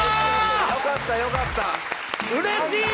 よかったよかった。